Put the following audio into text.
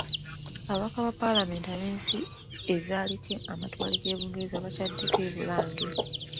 Ababaka ba Paalamenti ab'ensi ezaaliko amatwale ga Bungereza bakyaddeko e Bulange.